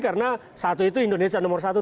karena satu itu indonesia nomor satu